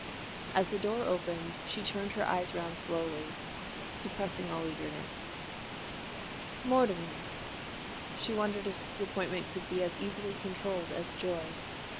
As the door opened she turned her eyes round slowly, suppressing all eagerness. "Mortimer!" She wondered if disappointment could be as easily controlled as joy.